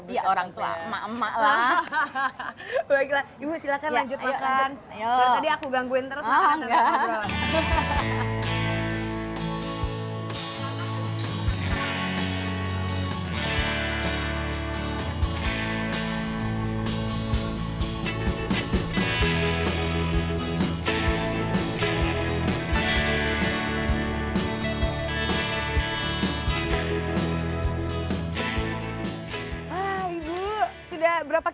iya orangtua ya